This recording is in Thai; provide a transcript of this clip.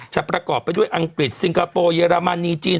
ประกอบไปด้วยอังกฤษซิงคโปร์เยอรมนีจีน